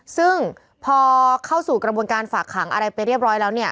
ซึ่งพอเข้าสู่กระบวนการฝากขังอะไรไปเรียบร้อยแล้วเนี่ย